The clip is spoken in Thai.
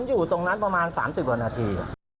อยู่ตรงนั้นประมาณ๓๐กว่านาที